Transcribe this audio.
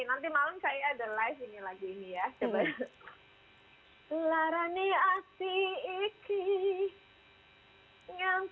nanti malem kayaknya ada live ini lagi ya